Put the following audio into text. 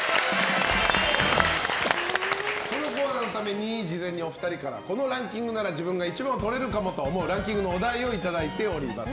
このコーナーのために事前にお二人からこのランキングなら自分が１番をとれるかもと思うランキングのお題をいただいております。